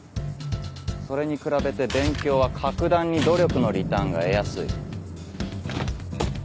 それに比べて勉強は格段に努力のリターンが得やすい。